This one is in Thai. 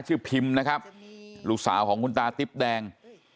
พิมพ์นะครับลูกสาวของคุณตาติ๊บแดง